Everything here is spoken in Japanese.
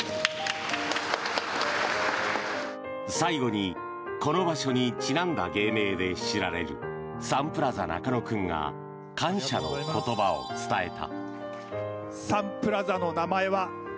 最後にこの場所にちなんだ芸名で知られるサンプラザ中野くんが感謝の言葉を伝えた。